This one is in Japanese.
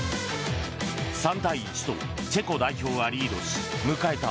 ３対１とチェコ代表がリードし迎えた